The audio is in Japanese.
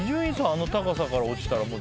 あの高さから落ちたら絶対？